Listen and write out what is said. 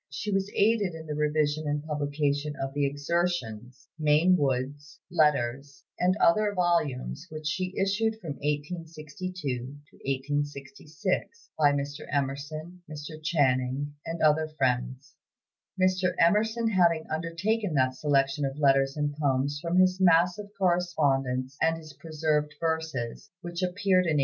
She was aided in the revision and publication of the "Excursions," "Maine Woods," "Letters," and other volumes which she issued from 1862 to 1866, by Mr. Emerson, Mr. Channing, and other friends, Mr. Emerson having undertaken that selection of letters and poems from his mass of correspondence and his preserved verses, which appeared in 1865.